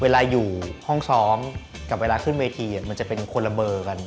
เวลาอยู่ห้องซ้อมกับเวลาขึ้นเวทีมันจะเป็นคนละเบอร์กัน